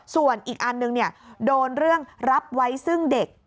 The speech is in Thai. ส่วนอีกอันนึงโดนเรื่องรับไว้ซึ่งเด็ก